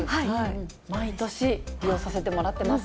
毎年利用させてもらってます。